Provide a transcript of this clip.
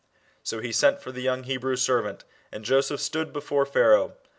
So he sent for the young Hebrew 1 servant, and Joseph stood before Pharaoh.